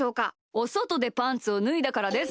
おそとでパンツをぬいだからです。